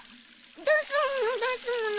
出すもの出すもの。